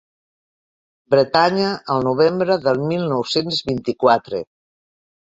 Bretanya al novembre del mil nou-cents vint-i-quatre.